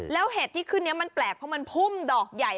แล้วเห็ดที่ขึ้นนี้มันแปลกเพราะมันพุ่มดอกใหญ่